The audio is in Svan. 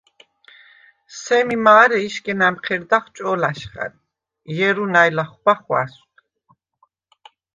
სემი მა̄რე იშგენ ა̈მჴერდახ ჭო̄ლა̈შხა̈ნ, ჲერუ ნა̈ჲ ლახვბა ხვა̈სვდ.